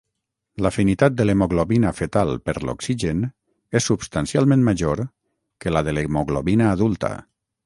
L’afinitat de l’hemoglobina fetal per l’oxigen és substancialment major que la de l’hemoglobina adulta.